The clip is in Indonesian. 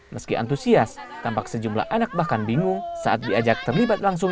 meski antusias tampak sejumlah anak bahkan bingung saat diajak terlibat langsung